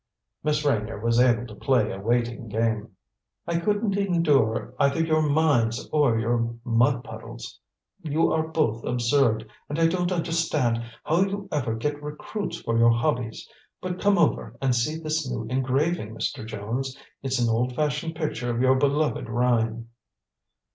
Miss Reynier was able to play a waiting game. "I couldn't endure either your mines or your mud puddles. You are both absurd, and I don't understand how you ever get recruits for your hobbies. But come over and see this new engraving, Mr. Jones; it's an old fashioned picture of your beloved Rhine."